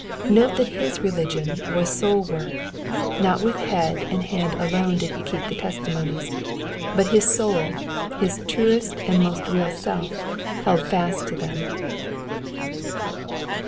Note that his reli^on was soul work ; not with head and hand alone did he keep the testimonies ; but his soul, his truest and most real self, held fast to them.